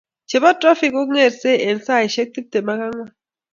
chebo trafik kogersei eng saishek tuptem ak angwan